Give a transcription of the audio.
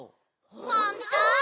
ほんと？